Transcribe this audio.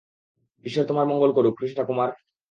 ঈশ্বর তোমার মঙ্গল করুক, কৃষ্ণা কুমার।